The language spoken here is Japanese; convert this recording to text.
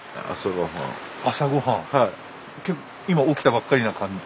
今起きたばっかりな感じ？